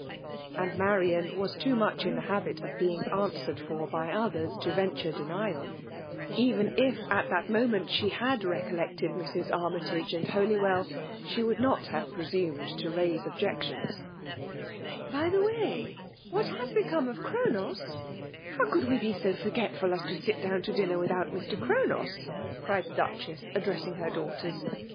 And Marian was too much in the habit of being answered for by others, to ven ture denial. Even if at that moment shehad waMKtE OOMINATIOK. I9S i«eoHeeted Mrs;^ Annyti^ and Holywell, she vould not hanre presmnecl: to raise objectkms. *' By the way^ what has become of ChrOHe»? Hmt coqU we be so forgetful as to sit down to dinner wkhoat Mr. CSironos!^' cried the Dftthess, addiessing her daughters.